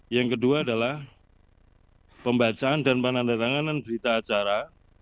yang kedua adalah pembacaan dan penandatanganan berita acara